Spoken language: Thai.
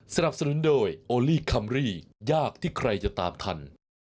สนับสนุนโดยโอลี่คัมรี่ยากที่ใครจะตามทัน